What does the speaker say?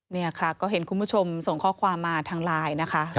นี่ค่ะก็เห็นคุณผู้ชมส่งข้อความมาทางไลน์นะคะ